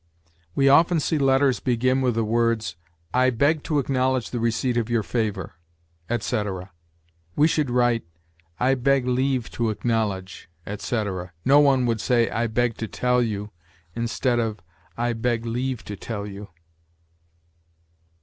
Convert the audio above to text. We often see letters begin with the words, "I beg to acknowledge the receipt of your favor," etc. We should write, "I beg leave to acknowledge," etc. No one would say, "I beg to tell you," instead of, "I beg leave to tell you."